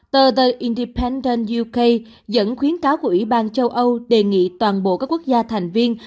tờ the indipenden youca dẫn khuyến cáo của ủy ban châu âu đề nghị toàn bộ các quốc gia thành viên